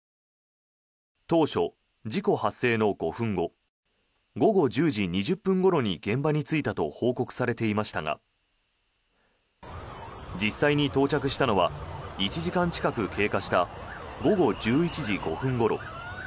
当初、事故発生の５分後午後１０時２０分ごろに現場に着いたと報告されていましたが実際に到着したのは１時間近く経過した午後１１時５分ごろ。